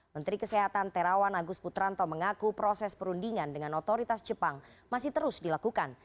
menteri kesehatan terawan agus putranto mengaku proses perundingan dengan otoritas jepang masih terus dilakukan